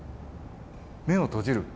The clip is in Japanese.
目を閉じる。